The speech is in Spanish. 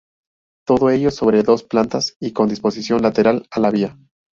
Todo ello sobre dos plantas y con disposición lateral a la vía.